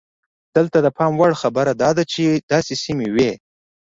دلته د پام وړ خبره دا ده چې داسې سیمې وې.